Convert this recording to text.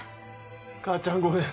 母ちゃんごめん。